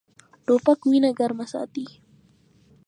توپک وینه ګرمه ساتي.